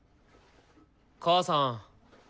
母さん。